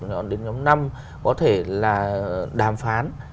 hoặc là nhóm năm có thể là đàm phán